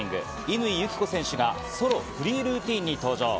乾友紀子選手がソロ・フリールーティンに登場。